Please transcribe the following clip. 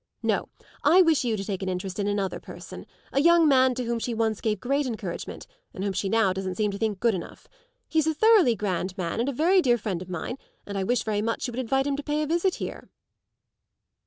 No; I wish you to take an interest in another person a young man to whom she once gave great encouragement and whom she now doesn't seem to think good enough. He's a thoroughly grand man and a very dear friend of mine, and I wish very much you would invite him to pay a visit here."